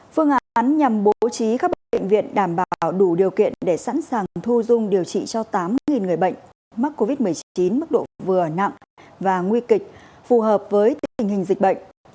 phương án nhằm bố trí các bệnh viện đảm bảo đủ điều kiện để sẵn sàng thu dung điều trị cho tám người bệnh mắc covid một mươi chín mức độ vừa nặng và nguy kịch phù hợp với tình hình dịch bệnh